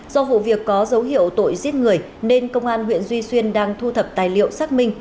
do vụ việc có dấu hiệu tội giết người nên công an huyện duy xuyên đang thu thập tài liệu xác minh